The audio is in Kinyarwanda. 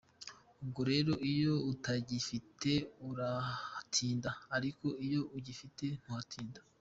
Ubwo rero iyo utagifite urahatinda, ariko iyo ugifite ntuhatinda .